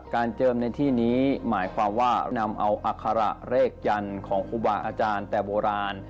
เจิมในที่นี้หมายความว่านำเอาอัคระเลขยันต์ของอุบาอาจารย์แต่โบราณ